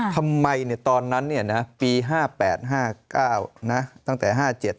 ทำไมตอนนั้นปี๕๘๕๙ตั้งแต่๕๗